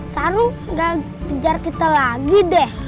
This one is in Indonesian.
sarung gak ngejar kita lagi deh